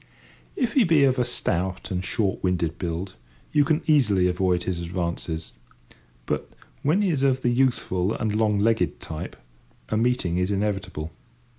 If he be of a stout and short winded build, you can easily avoid his advances; but, when he is of the youthful and long legged type, a meeting is inevitable.